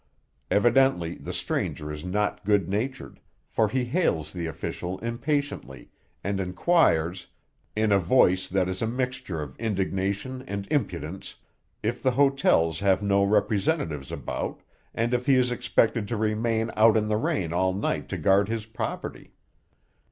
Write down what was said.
Evidently the stranger is not good natured, for he hails the official impatiently, and inquires, in a voice that is a mixture of indignation and impudence, if the hotels have no representatives about, and if he is expected to remain out in the rain all night to guard his property.